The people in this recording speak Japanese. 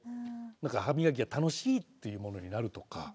はみがきが楽しいっていうものになるとか。